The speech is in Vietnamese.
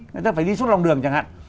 người ta phải đi xuống lòng đường chẳng hạn